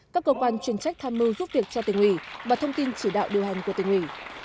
các cơ quan chuyên trách tham mưu giúp việc cho tỉnh ủy và thông tin chỉ đạo điều hành của tỉnh ủy